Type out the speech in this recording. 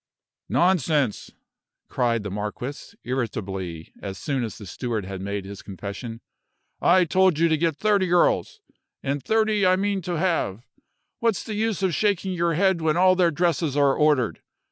"Nonsense!" cried the marquis, irritably, as soon as the steward had made his confession. "I told you to get thirty girls, and thirty I mean to have. What's the use of shaking your head when all their dresses are ordered?